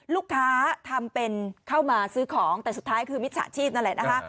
ลูกค้าทำเป็นเข้ามาซื้อของแต่สุดท้ายคือมิจฉาชีพนั่นแหละนะคะ